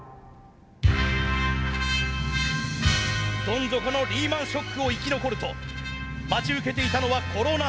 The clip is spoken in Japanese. どん底のリーマン・ショックを生き残ると待ち受けていたのはコロナショック。